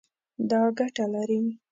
دا ګټه لري